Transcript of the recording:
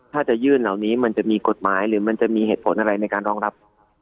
ถ้าจะยื่นเหล่านี้มันจะมีกฎหมายหรือมันจะมีเหตุผลอะไรในการรองรับ